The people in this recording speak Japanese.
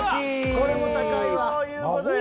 これも高いわ。